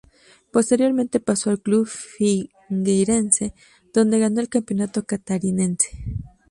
Posteriormente pasó al club Figueirense, donde ganó el Campeonato Catarinense.